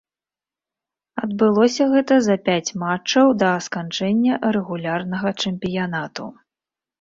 Адбылося гэта за пяць матчаў да сканчэння рэгулярнага чэмпіянату.